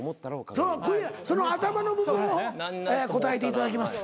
その頭の部分を答えていただきます。